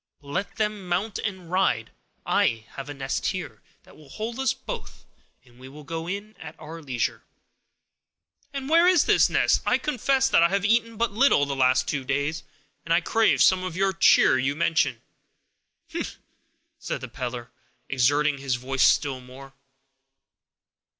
But let them mount and ride; I have a nest here, that will hold us both, and we will go in at our leisure." "And where is this nest? I confess that I have eaten but little the last two days, and I crave some of the cheer you mention." "Hem!" said the peddler, exerting his voice still more.